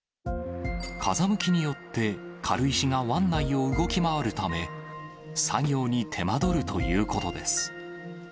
風向きによって軽石が湾内を動き回るため、作業に手間取るということです。